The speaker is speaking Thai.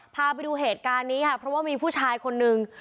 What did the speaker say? พาไปดูเหตุการณ์นี้ค่ะเพราะว่ามีผู้ชายคนนึง